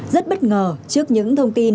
rất bất ngờ trước những thông tin